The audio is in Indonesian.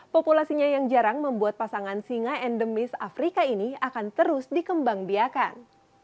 populasinya yang jarang membuat pasangan singa endemis afrika ini akan terus dikembang biakan